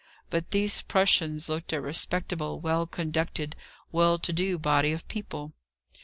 But these Prussians looked a respectable, well conducted, well to do body of people.